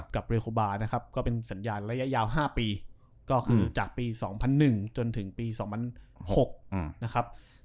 กับเรือโคบานะครับก็เป็นสัญญาณระยะยาว๕ปีก็คือจากปี๒๐๐๑จนถึงปี๒๐๐๖นะครับ